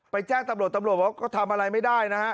ไปแจ้งตำรวจตำรวจก็ทำอะไรไม่ได้นะฮะ